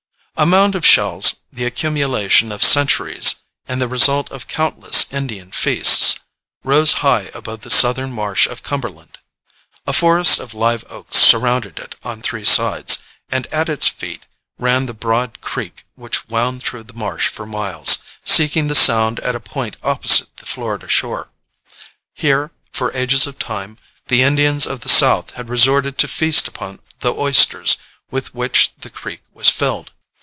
A mound of shells, the accumulation of centuries and the result of countless Indian feasts, rose high above the southern marsh of Cumberland. A forest of live oaks surrounded it on three sides, and at its feet ran the broad creek which wound through the marsh for miles, seeking the Sound at a point opposite the Florida shore. Here, for ages of time, the Indians of the South had resorted to feast upon the oysters with which the creek was filled.